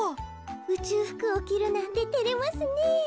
うちゅうふくをきるなんててれますねえ。